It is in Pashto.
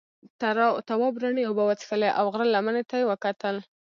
تواب رڼې اوبه وڅښلې او غره لمنې ته یې وکتل.